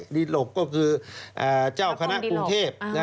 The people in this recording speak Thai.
ดีหลกก็คือเจ้าคณะกรุงเทพ